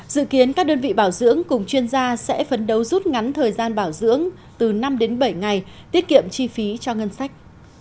dự kiến các đơn vị bảo dưỡng cùng chuyên gia sẽ phấn đấu rút ngắn thời gian bảo dưỡng từ năm đến bảy ngày tiết kiệm chi phí cho ngân sách